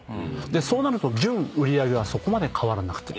そうなると純売上はそこまで変わらなくて。